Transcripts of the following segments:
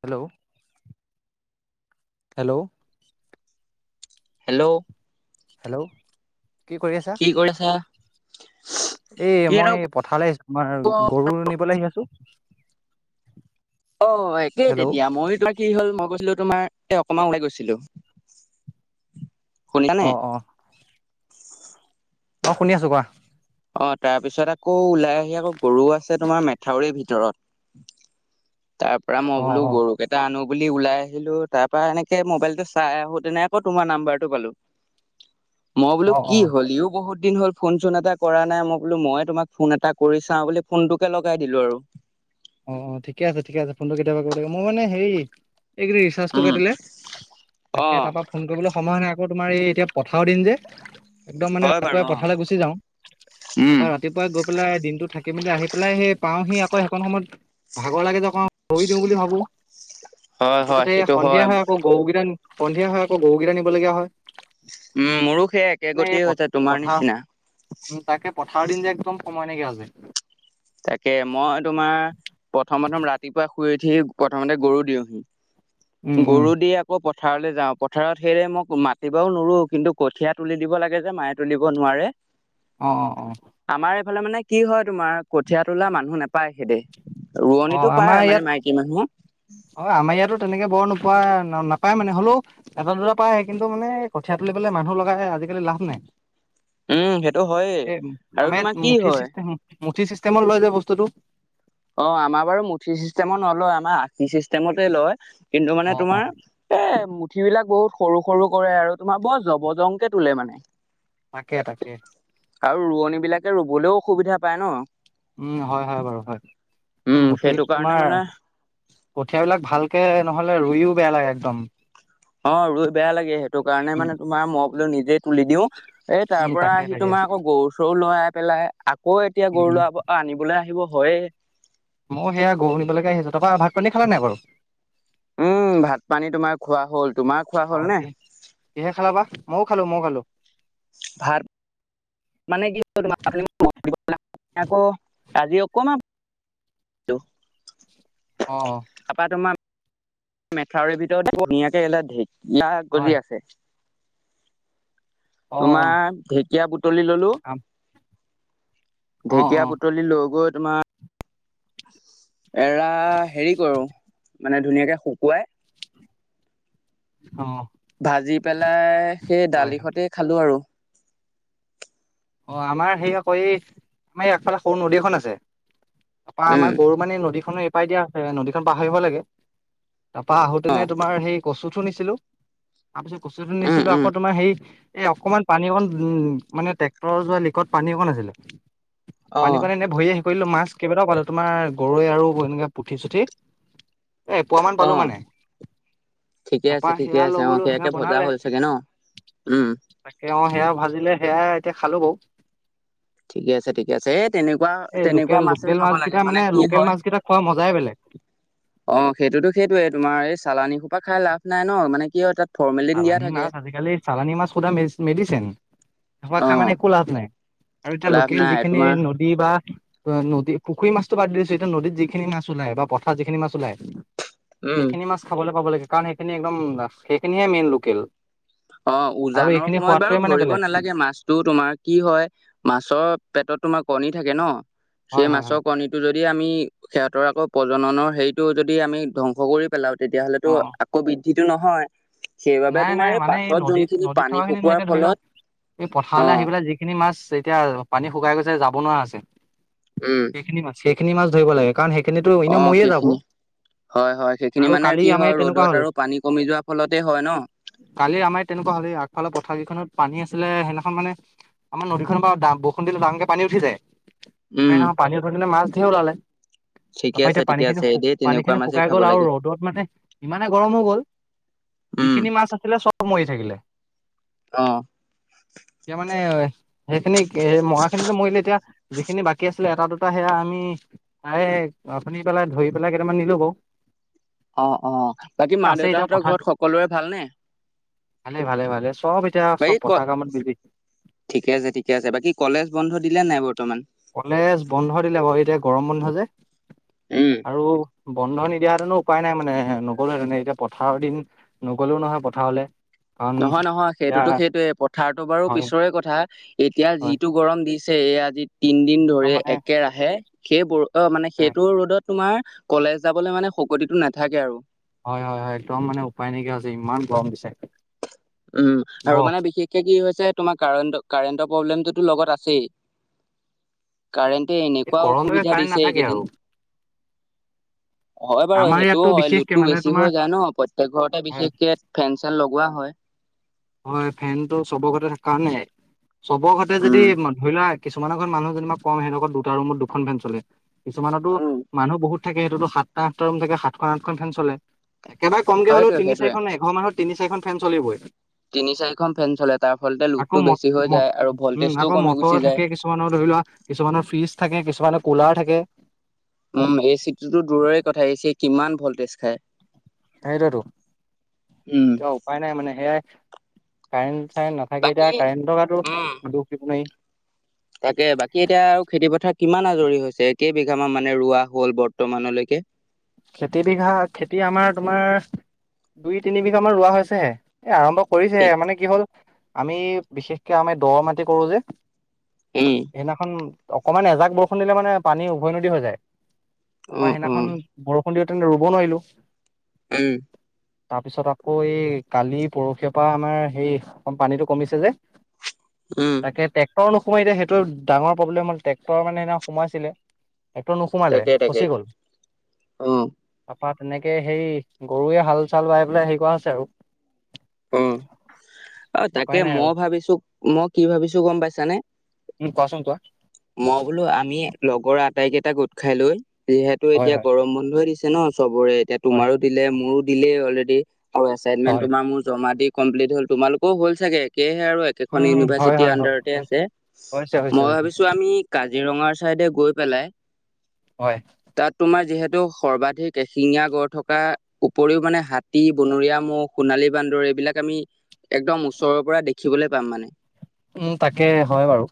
Hello hello. Hello. Hello কি কৰি আছা। কৰি আছা? এ কিনো মই পথাৰলৈ আহিছো আমাৰ গৰু নিবলৈ আহি আছো। অ একেই হেল্ল' তেতিয়া মই তোৰা কি হ'ল মগজ। ছিলো তোমাৰ এ অকণমান ওলাই গৈছিলো। শুনিছানে? অ অ। অ শুনি আছো কোৱা। অ তাৰ পিছত আকৌ ওলাই আহি আকৌ গৰু আছে তোমাৰ মেথাউৰি ভিতৰত। তাৰ পৰা মই অ বোলো অ গৰু কেইটা আনো। বুলি ওলাই আহিলো তাৰ পৰা এনেকে মোবাইলটো চাই আহো তেনে আকৌ তোমাৰ নাম্বাৰটো পালো। মই বোলো অ অ কি হ'ল ইও বহুত দিন হ'ল ফোন চোন এটা। কৰা নাই মই বোলো মই তোমাক ফোন এটা কৰি চাওঁ বুলি ফোনটোকে লগাই দিলো আৰু। অ অ ঠিকে আছে ঠিকে আছে ফোনটো কেতিয়াবা কৰিব লাগে মই মানে হেৰি এইকেইি ৰিচাৰ্জটো উম কাটিলে অ তাকে তাৰ পৰা ফোন কৰিবলৈ সময় নাই তোমাৰ এই এতিয়া পথাৰও দিন যে একদম মানে হয় বাৰু ৰাতিপুৱাই অ পথালৈ গুচি যাওঁ উম তাপা ৰাতিপুৱাই গৈ পেলাই দিনটো থাক মেলি আহি পেলাই সেই পাওঁহি আকৌ সেইখন সময়ত ভাগৰ লাগে যেক ভৰি দিওঁ বুলি ভাবো হয় হয় তাপিছতে সেইটো সন্ধিয়া হয় আকৌ গৰুকেইটা সন্ধিয়া হৈ আকৌ গৰুকেইটা নিবলগীয়া হয় উম মোৰো সেইয়াই মানে একেগতিয়েই হৈছে তোমাৰ পথাৰ নিচিনা উম তাকে পথাৰৰ দিন যে একদম সময় নাইকিয়া হৈছে তাকে মই তোমাৰ প্ৰথম প্ৰথম ৰাতিপুৱা শুই উঠি প্ৰথমতে গৰু দিওঁহি উম, উম, গৰু দি আকৌ প পথাৰলৈ যাওঁ পথাৰত সেইৰে মোক মাতিবাও নুৰো কিন্তু কঠীয়া তুলি দিব লাগে যে মায়ে তুলিব নোৱাৰে অ অ অ আমাৰ মানে কি হয় তোমাৰ কঠীয়া তোলা মানুহ নাপায় সেখিতে অ', ৰোৱনীটো পায় আমাৰ মানে ইয়াত মাইকী মানুহ অ আমাৰ ইয়াতো তেনেকে বৰ নোপোৱা নাপায় মানে হ'লেও এটা দুটা পাই কিন্তু মানে কঠিয়া তুলিবলে মানুহ লগাই আজিকালি লাভ নাই উম সেইটো হয়েই এ আৰু আমা তোমাৰ ইয়াত কি মুঠি হয় চিষ্টেম মুঠি চিষ্টেমত লয় যে বস্তু বস্তুটো অ আমাৰ বাৰু মুঠি চিষ্টেমত নলয় আমাৰ আশী চিষ্টেমতে লয় কিন্তু মানে অ', তোমাৰ অ', এ মুঠিবিলাক বহুত সৰু সৰু কৰে আৰু তোমাৰ বৰ জবৰ জমকে তোলে মানে তাকে তাকে আৰু ৰোৱনী বিলাকে ৰুবলৈও অসুবিধা পায় ন উম হয় হয় বাৰু হয় এই উম মুঠি সেইটো কাৰণে তোমাৰ মানে কঠিয়া বিলাক ভালকে নহ'লে ৰুইও বেয়া লাগে একদম অ ৰুই বেয়া লাগে সেইটো কাৰণে উম, মানে তোমাৰ মই বোলো নিজেই তুলি দিও এই তাৰ উম, পৰা তাকে আহি তাকে তোমাৰ আকৌ গৰু চৰু লৰাই পেলাই আকৌ এতিয়া উম, গৰু উম, লৰাই আনিবলৈ আহিব হয় মই সেয়া গৰু নিবলৈকে আহিছো তাপা ভাত পানী খালা নাই বাৰু উম ভাত পানী তোমাৰ খোৱা হল তোমাৰ খোৱা হল নে মও খালো মও খালো ভাত মানে কি তোম আকৌ জিওক কমা [unintelligible] অ', অ', তাপা তোমাৰ মেথাউৰ ভিতৰত ধুনীয়াকে এলা ঢেকীয়া হয়। গজি আছে অ', তোমাৰ ঢেকীয়া বুটলি ললো অ', অ', ঢেকীয়া অ', বুতলি লৈ গৈ তোমাৰ এৰা হেৰি কৰো মানে ধুনীয়াকে শুকুৱাই অ', ভাজি পেলাই সেই হয় দালি ভাতে খালো আৰু অ আমাৰ সেই আকৌ এই আমাৰ আগফালে সৰু নদী এখন আছে তাপা উম আমাৰ গৰু মানে নদীখনো এপাৰই দিয়া আছে নদীখন পাহৰিব লাগে তাৰপা অ আহোতেনে তোমাৰ সেই কচুঠো নিছিলো তাৰপিছত কচুথো উম নিছিলো উম আকৌ তোমাৰ সেই এই অকমান পানী অকণ উম মানে ট্ৰেক্টৰৰ যোৱা লিকত পানী অকণ আছিলে অ পানী কনে নে ভয়ে কৰিলো মাছ কেইবটাও পালো তোমাৰ গৰৈ আৰু এনেকে পুঠি চুঠি এপুৱা মান অ পালো মানে ঠিকে তাৰপা আছে ঠিকে সেয়া আছে লৈ অ গলো সেয়া সেয়াকে ভজা বনালে হ'ল চাগে ন উম তাকে অ সেয়া ভাজিলে সেয়া এতিয়া খালো বাউ ঠিকে আছে ঠিকে আছে এ তেনেকুৱা এই তেনেকুৱা লোকেল মাছেই লোকেল খাব লাগে মাছকেইটা মানে কি লোকেল হয় মাছকেইটা খোৱা মজাই বেলেগ। অ সেইটোতো সেইটোৱে তোমাৰ এই চালানী সোপা খাই লাভ নাই ন মানে কি হয় তাত ফৰ্মেলিন দিয়া চালানী থাকে মাছ আজিকালি চালানী মাছ সোধা মেডিচন সেইখোপা অ খাই মানে একো লাভ নাই আৰু এতিয়া লাভ লোকেল নাই যিখিনি তোমাৰ নদী বা নদী পুখুৰী মাছটো বাদ দিছো এতিয়া নদীত যিখিনি মাছ ওলায় বা পথাৰ যিখিনি মাছ ওলায় উম, সেইখিনি মাছ খাবলৈ পাব লাগে কাৰণ সেইখিনি একদম সেইখিনিহে মেইন লোকেল অ আৰু উজানৰ এইখিনি সময়ত বাৰু সোৱাদটোৱে মানে ধৰিব বেলেগ নালাগে মাছটো তোমাৰ কি হয় মাছৰ পেটত তোমাৰ কণী থাকে ন হয় সেই হয় মাছৰ হয় কণীটো যদি যদি আমি সিহঁতৰ আকৌ প্ৰজননৰ সেইটো যদি আমি ধ্বংস কৰি পেলাও তেতিয়াহলেতো অ অ আকৌ বৃদ্ধিটো নহয় সেইবাবে নাই তোমাৰ নাই এই মানে পাছত নদীত যোনখিনি নদীত পানী থকা খিনি নহয়, শুকোৱাৰ এতিয়া ধৰি লোৱা ফলত এই পথাৰলৈ অ' আহি পেলাই যিখিনি মাছ এতিয়া পানী শুকাই গৈছে যাব নোৱাৰা আছে উম, সেইখিনি মাছ সেইখিনি মাছ ধৰিব লাগে কাৰণ সেইখিনিতো অ' এনেও মৰিয়ে যাব সেইখিনি হয় হয় সেইখিনি আৰু মানে কালি কি আমাৰ হয় ইয়াত তেনেকুৱা ৰ'দত হ'ল আৰু পানী কমি যোৱা ফলতে হয় ন। উম কালি আমাৰ তেনেকুৱা হ'লে আগফালৰ পথাৰ কেইখনত পানী আছিলে সেইদিনাখন মানে আমাৰ নদীখনৰ বা বৰষুণ দিলে ডাঙকে পানী উঠি যায় উম, পানী হয় পানী উঠোতে মাছ ধেই ওলালে ঠিকে তাৰপা আছে, এতিয়া ঠিকে পানী খিনি আছে দেই পানী তেনেকুৱা খিনি মাছেই শুকাই খাব গ'ল আৰু লাগে ৰ'দত মানে ইমানে গৰম হৈ গ'ল [inaudible] যিখিনি মাছ আছিলে চব মৰি থাকিলে অ'। মানে সেইখিনি মৰা খিনিতো মৰিলে এতিয়া যিখিনি বাকী আছিলে এটা দুটা সেয়া আমি ত আপুনি পেলাই ধৰি পেলাই কেইটামান নিলো বাউ অ অ বাকী মা এতিয়া দেউতাহঁতৰ পথাৰ ঘৰত সকলোৰে ভালনে ভালে ভালে ভালে চব এতিয়া চব বাকী ক পথাৰ কামত বিজি ঠিকে আছে ঠিকে আছে বাকী কলেজ বন্ধ দিলে নাই বৰ্তমান। কলেজ বন্ধ দিলে বাৰু এতিয়া গৰম বহ যে আৰু বন্ধ নিদিয়াতেনো উপায় নাই মানে নগ'লেহঁতেনে এতিয়া পথাৰৰ দিন নগলেও নহয় পথাৰলে নহয় নহয় সেইটোতো সেইটোয়ে পথাৰতটো বাৰু পিছৰে কথা এতিয়া হয় একদম যিটো গৰম দিছ আছে আজি তিনদিন ধৰি মানে একেৰা আহে সেই ব অ মানে হয় সেইটো ৰ'দত তোমাৰ কলেজ যাবলৈ মানে শকতিটো নাথাকে আৰু হয় হয় হয় একদম মানে উপায় নেকিয়া হৈছে ইমান গৰম দিছে উম আৰু বহ মানে বিশেষকে কি হৈছে তোমাৰ কাৰেণ্ট কাৰেণ্টৰ প্ৰব্লেমটো তো লগত আছেই কাৰেণ্টে এই এনেকুৱা গৰমলৈকে অসুবিধা কাৰেণ্ট দিছে নাথাকে আৰু এইকেইদিন হয় বাৰু আমাৰ সেইটোও ইয়াততো হয় বিশেষকে লোডটো মানে বেছি তোমাৰ হৈ যায় ন প্ৰত্যয়েক ঘৰতে হয় বিশেষকে ফেন চেন লগোৱা হয় হয় ফেন টো চবৰ ঘৰতে থাকে কাৰণে চবৰ ঘৰতে যদি উম ধৰি লোৱা কিছুমানৰ ঘ মানুহ যেনিবা কম সিহঁতৰ দুটা ৰুমত দুখন ফেন চলে কিছুমানতো মানুহ বহুত থাকে সেইটোতো সাতটা আঠটা ৰুম থাকে সাতখন আঠখন ফেন চলে একেবাৰে কমকে হলে হয়টোৱে সেইটোৱে তিনিচাৰি খন এঘৰ মানুহত তিনি চাৰিখন ফেন চলিবই তিনি চাৰিখন ফেন চলে তাৰ ফলতে আকৌ লোডটো ম বেছি হৈ যায় আৰু উম ভল্টেজটোও আকৌ কমি মটৰ গুচি যায়। থাকে কিছুমানৰ ধৰি কিছুমানৰ ফ্ৰিজ থাকে কিছুমানৰ কুলাৰ থাকে উম এ চিটোতো দূৰৰে কথাছে কিমান ভল্টেজ খায় সেইটোতো উম এতিয়া উপায় নাই মানে সেয়াই কাৰেণ কাৰেন্ট নাথাকেই এতিয়া বাকী কাৰেণ্ট গাতো উম দুখ দিব নোৱাৰি। তাকে বাকী এতিয়া আৰু খেতি পথাৰ কিমান আজৰি হৈছে কেইবিঘামান মানে ৰোৱা হল বৰ্তমানলৈকে খেতি বিঘা খেতি আমাৰ তোমাৰ দুই তিনি বিঘা মান ৰোৱা হৈছেহে এ আৰম্ভ কৰিছে ঠিক মানে কি হল আমি বিশেষকে আমি দ মাটি কৰো যে উম সেইদিনাখন অকমান এজাক বৰষুণ দিলে মানে পানী উভৈনদী হৈ যায়। অ তাৰপৰা অ সেইদিনাখন বৰষুণ দিও তেনে ৰুব নোৱাৰিলো। উম তাৰপিছত আকৌ এই কালি পৰহিয় পৰা আমাৰ হেই অকণ পানীটো কমিছে যে। উম তাকে ট্ৰেক্টৰ নোসোমাই এতিয়া সেইটো ডাঙৰ প্ৰব্লেম হ'ল ট্ৰেকটৰ মানে হেইদিনা সোমাইছিলে একটো নোসুমালে ফচি গল। আহ। তপা তেনেকে হেৰি গৰুৱে হাল চাল বাই পেলাই হেৰি কৰা আছে আৰু অ অ তাকে উপায় নাই আৰু মই ভাবিছো মই কি ভাবিছো গম পাইছানে? ওম কোৱা ছুণ মই বোলো আমি লগৰ আটাই কেইটা গোট খাই লৈ যিহেতু হয় এতিয়া হয় গৰম বন্ধই দিছে ন। চবৰে এতিয়া হয় তোমাৰো দিলে মোৰো দিলে অলৰেডি আৰু এচাইনমেন্ হয় তোমাৰ ম জা দি কমপ্লট হ'ল তুমালকও হল চাগে। সয়েহে আৰু একেখন উম হয় ইউনিভাৰ্চিটিৰ হয় হয় আনডাৰতে হয় আছে হৈছে হৈছে মই হৈছে ভাবিছো। আমি কাজিৰঙা চাইডে গৈ পেলাই হয় তাত তোমাৰ যিহেতু টো সৰ্বাধিক এশিঙীয়া গড় থকা উপৰিও মানে হাতী বনৰীয়া মহ সোণালী বান্দৰে সবিলাক আমি একদম ওচৰৰ পৰা দেখিবলৈ পাম মানে। উম তাকে হয় বাৰু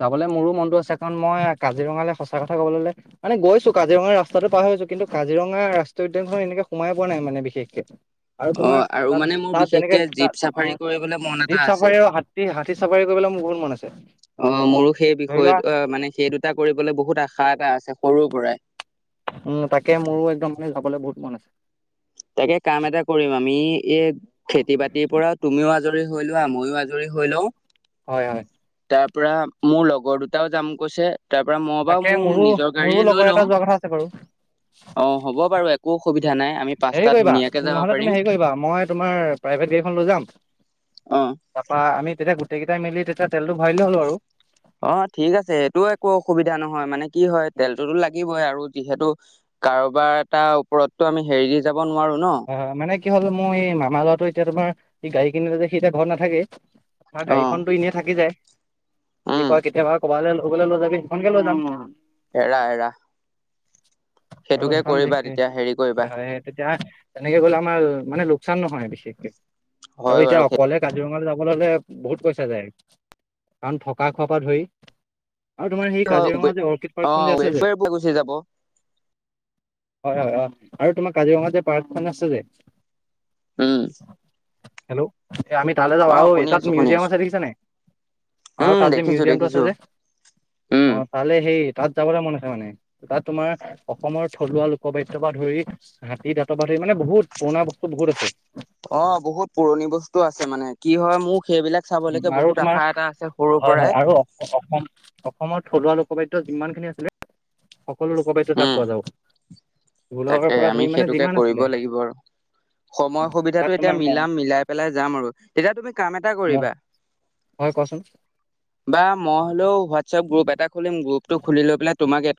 যাবলৈ মোৰো মনতটো আছে কাৰণ মই কাজিৰঙালৈ সঁচা কথা কবলে মানে গৈছো কাজিৰঙা ৰাস্তাতটো পাই কিন্তু কাজিৰঙা ৰাষ্ট্ৰীয় উদ্যানখন এনেকে সোমাই পোৱা নাই মানে বিশেষকে। আৰু অ তোমাৰ আৰু মানে মোৰ তাত যেনেকে বিশেষকে জীপ তাত অ চাফাৰী কৰিবলৈ মন এটা জীপ আছে চাফাৰীও হাতী হাতী চা অ মোৰো সেই ধৰি বিষয় লোৱা মানে সেই দুটা কৰিবলে বহুত আ শা এটা আছে সৰুৰ পৰাই উম তাকে মোৰো একদম মানে যাবলৈ বহুত মন আছে। তাকে কাম এটা কৰিম আমি এই খেতি বাতিৰ পৰা তুমিও আজৰি। ধৰি লোৱা আময়ো আজৰি হৈ লও হয় হয় তাৰ পৰা মোৰ লগৰ দুটাও যাম কৈছে তাৰ পৰা মই বাৰু তাকে মোৰ মোৰো নিজৰ মোৰো গাড়ীয়ে লগৰ লৈ এটা লম যোৱা কথা আছে বাৰু অহ হ'ব বাৰু একো অসুবিধা। অসুবিধা নাই আমি পাচ হেৰি কৰিবা নহলে তুমি হেৰি কৰিবা মই তোমাৰ প্ৰাইভেট গাড়ীখন লৈ যাম। অ তাৰপা আমি তেতিয়া গোটেই কেইটাই মিলি তেতিয়া তেলটো ভৰালে দিলে হল আৰু অহ ঠিক আছে সেইটো একো অসুবিধা নহয় মানে কি হয় তেলটোতো লাগিবই আৰু যিহেতু কাৰোবাৰ এটা ওপৰতটো আমি হেৰি দি যাব নোৱাৰো ন হয় মানে কি হ'ল মই এই মামা ল'ৰাটো এতিয়া তোমাৰ গাড়ী কিনিলে যে সি এতিয়া ঘৰত নাথাকে আমাৰ অ গাড়ীখন তো এনে থাকি যায়। কি উম কয় কেতিয়াবা কবালৈ লগলে লৈ যাবি সেইখনকে লৈ যাম ন এৰা এৰা। আৰু সেইটোকে সেইখন দে কৰিবা তেতিয়া হেৰি কৰিবা হয় হয় তেতিয়া তো আমাৰ‌ লোকচান বিশেষ কে অ আৰু হয় বাৰু এতিয়া। কাজিৰঙা যাবলৈ কব গলে বহুত পইছা যায় কাৰণ থকা খোৱাৰ পৰা ধৰি আৰু তোমাৰ সেই কাজিৰঙা যে অৰ্কিড অ পাৰ্কখন যে আছে যে ৱেবছাইট গুচি যাব হয় হয় হয় আৰু তোমাৰ কাজিৰঙা যে পাৰ্কখন আছে যে- উম হেল্ল' এ আমি তালৈ যাম অ আৰু এ শুনি তাত আছো শুনি মিউজিয়াম আছো আছে দেখিছে নে আৰু উম তাত যে দেখিছো মিউজিয়াম টো আছে দেখিছো যে উম অহ তাত সেই তাত যাবলৈ মন। হয় মানে তাত তোমাৰ অসমৰ থলুৱা লোকবাদ্যয় পৰা ধৰি হাতী দাঁত বা ধৰি মানে বহুত পুৰণা বস্তু বহুত আছে। অ বহুত পুৰণি বস্তু আছে মানে কি হয় মোক সেইবিলাক চাবলৈকে আৰু বহুত তোমাৰ আশা এটা আছে সৰুৰ হয় পৰা। আৰু অসম অসমৰ থলুৱা লোকবাদ্য যিমান খিনি আছিলে। সকলো লোকবাদ্য তাত উম পোৱা যাব। ঢোলৰ তাকে পৰা আমি ধৰি মানে সেইটোকে যিমান কৰিব আছিলে লাগিব আৰু সময় তাত সুবিধাটো এতিয়া তোমাৰ মহ মিলাম মিলাই পেলাই যাম আৰু তেতিয়া তুমি কাম এটা মহ কৰিবা হয় ক বা মই হ'লেও হোৱাটছএপ গ্ৰুপ এটা খুলিম গ্ৰুপটো খুলি লৈ পেলাই তোমাক এদ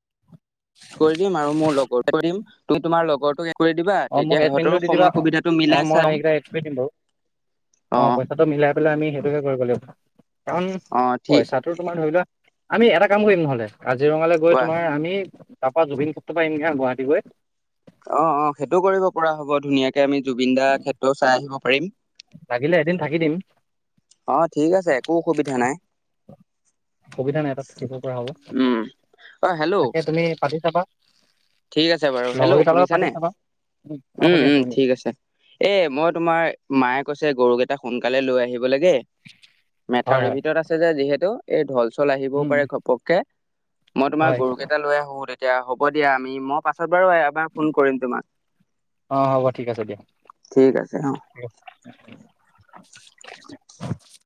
কৰি দিম আৰু মোৰ লগৰ কৰিম ত তোমাৰ লগৰ কৰি দিবা অ' মোক তেতিয়া এডমিনটো সিহঁতৰ দি দিবা সময় সুবিধাটো মিলাই চাওঁ অহ পইচাটো মিলাই পেলাই আমি সেই তেনে কৰিব লাগিব কাৰণ অ ঠিক পইচাটো তোমাৰ ধৰি লোৱা আমি এটা কাম কৰিম নহ'লে কাজিৰঙালৈ গৈ কোৱা তোমাৰ আমি তাৰপৰা জুবিন ক্ষেত্ৰৰ পৰা আহিম হা গুৱাহাটী গৈ অহ অহ সেইটো কৰিব পৰা হ'ব ধুনীয়াকে আমি জুবিন দাৰ ক্ষেত্ৰও চাই আহিব পাৰিম লাগিলে এদিন থাকি দিম। অ ঠিক আছে একো অসুবিধা নাই সুবিধা নাই তাত থাকিব পৰা হ'ব উম অ হেল্ল' তাকে তুমি পাতি চাবা ঠিক আছে বাৰু হেল্ল' লগৰকেইটাৰ লগত পাতি শুনিছানে চাবা অ উম শুনি আছো উম শুনি আছো ঠিক আছে এ মই তোমাৰ মায়ে কৈছে গৰুকেইটা সোনকালে লৈ আহিব লাগে হয় মেথাউৰিৰ হয় ভিতৰত আছে যে যিহেতু এই ঢল চল আহিবও উম পাৰে ঘপককে মই তোমাৰ হয় গৰুকেইটা লৈ আহো তেতিয়া হ'ব দিয়া আমি মই পাছত বাৰু এবাৰ ফোন কৰিম তোমাক অ হ'ব ঠিক আছে দিয়া। ঠিক আছে অ [inaudible] [unintelligible]